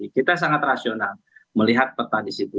kita sangat rasional melihat peta di situ